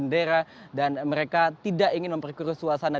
dan mereka tidak ingin memperkiru suasana